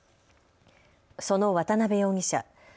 その渡邊容疑者。